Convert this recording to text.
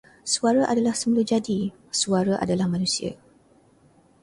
Suara adalah semulajadi, suara adalah manusia.